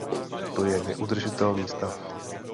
To je neudržitelný stav.